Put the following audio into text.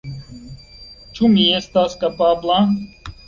Ĉu mi estas kapabla?